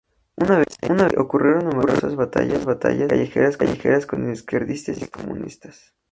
Una vez allí, ocurrieron numerosas batallas callejeras con izquierdistas y comunistas.